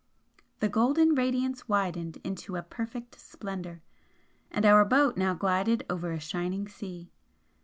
The golden radiance widened into a perfect splendour, and our boat now glided over a shining sea.